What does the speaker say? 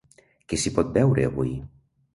Què s’hi pot veure avui?